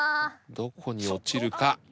どこに落ちるか？